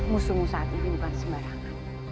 musuhmu saat ini bukan sembarangan